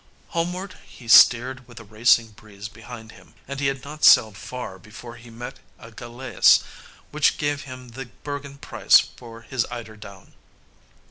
Homeward he steered with a racing breeze behind him, and he had not sailed far before he met a galeas which gave him the Bergen price for his eider down.